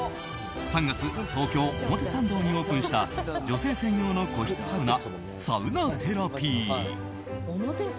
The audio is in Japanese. ３月、東京・表参道にオープンした女性専用の個室サウナサウナテラピー。